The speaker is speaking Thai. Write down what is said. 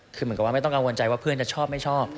คือเหมือนกับว่าไม่ต้องกังวลใจว่าเพื่อนจะชอบไม่ชอบ